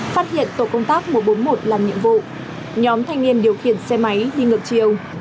phát hiện tổ công tác một trăm bốn mươi một làm nhiệm vụ nhóm thanh niên điều khiển xe máy đi ngược chiều